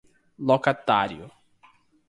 locatário